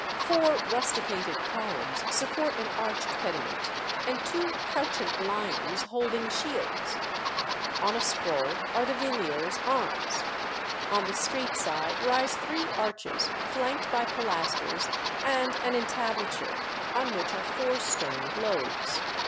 Four rusticated columns support an arched pediment and two couchant lions holding shields. On a scroll are the Villiers arms. On the street side rise three arches, flanked by pilasters and an entablature, on which are four stone globes.